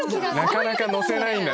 なかなか乗せないんだ！